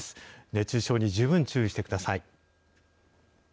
熱中症に十分注意してください。